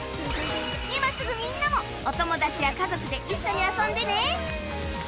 今すぐみんなもお友達や家族で一緒に遊んでね